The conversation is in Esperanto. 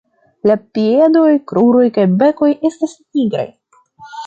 La piedoj, kruroj kaj bekoj estas nigraj.